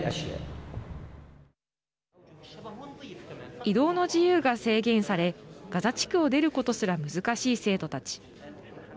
移動の自由が制限されガザ地区を出ることすら難しい生徒たち。